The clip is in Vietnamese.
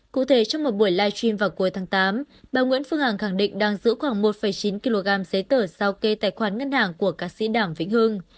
cụ thể trong một buổi live stream vào cuối tháng tám bà nguyễn phương hằng khẳng định đang giữ khoảng một chín kg giấy tờ sao kê tài khoản ngân hàng của ca sĩ đảm vĩnh hưng